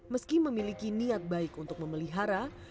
meski memiliki niat baik untuk memelihara